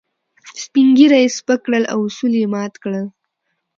سپين ږيري يې سپک کړل او اصول يې مات کړل.